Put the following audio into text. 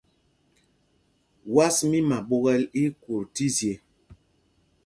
Was mí Maɓúkɛ̌l í í kut tí zye.